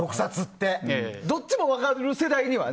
どっちも分かる世代だからね。